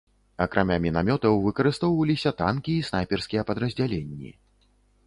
Акрамя мінамётаў выкарыстоўваліся танкі і снайперскія падраздзяленні.